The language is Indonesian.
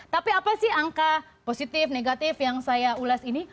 tapi apa sih angka positif negatif yang saya ulas ini